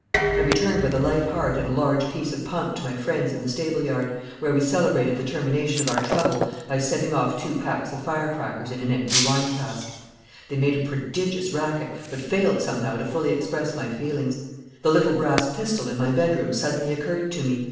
I returned with a light heart and a large piece of punk to my friends in the stable yard, where we celebrated the termination of our trouble by setting off two packs of fire crackers in an empty wine cask. They made a prodigious racket, but failed somehow to fully express my feelings. The little brass pistol in my bedroom suddenly occurred to me.